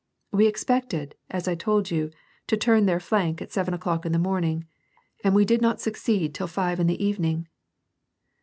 We expected, 33 I told you, to turn their flank at seven o'clock in the morning, and we did not succeed till five in the even ing."